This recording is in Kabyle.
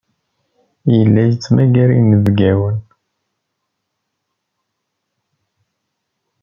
Yella yettmagar inebgiwen.